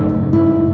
aku mau ke rumah